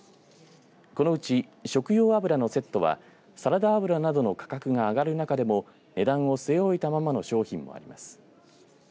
このうち食用油のセットはサラダ油などの価格が上がる中でも値段を据え置いたままの商品もあります。